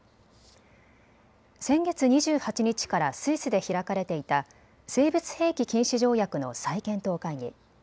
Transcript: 先月２８日からスイスで開かれていた生物兵器禁止条約の再検討会議。